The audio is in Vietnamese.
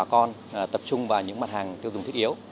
bà con tập trung vào những mặt hàng tiêu dùng thiết yếu